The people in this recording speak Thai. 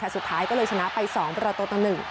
สุดท้ายก็เลยชนะไป๒เป็นราโตตัว๑